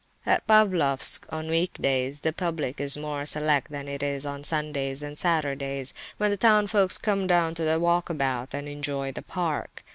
At Pavlofsk, on weekdays, the public is more select than it is on Sundays and Saturdays, when the townsfolk come down to walk about and enjoy the park.